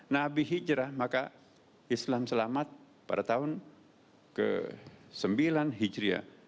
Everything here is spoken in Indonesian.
nabi hijrah maka islam selamat pada tahun ke sembilan hijriah